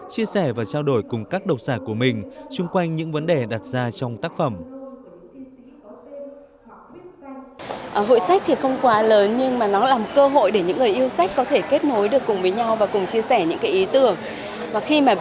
chia sẻ và trao đổi cùng các độc giả của mình chung quanh những vấn đề đặt ra trong tác phẩm